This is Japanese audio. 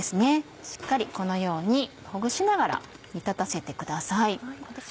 しっかりこのようにほぐしながら煮立たせてください。